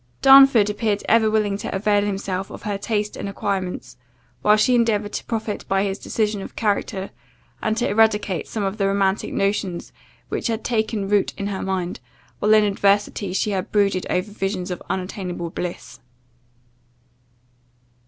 Darnford appeared ever willing to avail himself of her taste and acquirements, while she endeavoured to profit by his decision of character, and to eradicate some of the romantic notions, which had taken root in her mind, while in adversity she had brooded over visions of unattainable bliss.